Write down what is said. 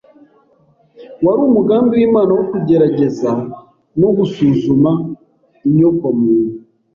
Wari umugambi w’Imana wo kugerageza no gusuzuma inyokomuntu